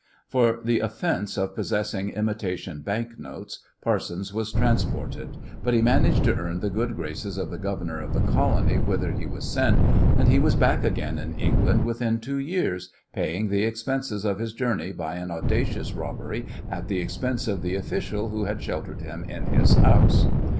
For the offence of possessing imitation banknotes Parsons was transported, but he managed to earn the good graces of the governor of the colony whither he was sent, and he was back again in England within two years, paying the expenses of his journey by an audacious robbery at the expense of the official who had sheltered him in his house.